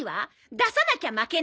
出さなきゃ負けね！